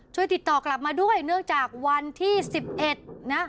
ช่วยติดต่อกลับมาด้วยเนื่องจากวันที่๑๑นะ